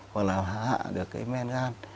hoặc là hạ được cái men gan